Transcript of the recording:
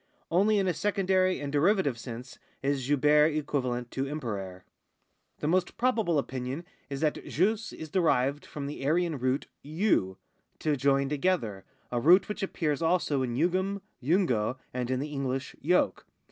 Only in a secondary and derivative sense is jubere equivalent to imperare. The most probable opinion is that jus is derived from the Aryan root YU, to join together (a root which appears also in jugem. jungo, and in the English yoke).